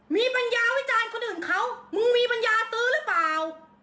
มีปัญญาวิจารณ์คนอื่นเขามึงมีปัญญาซื้อหรือเปล่า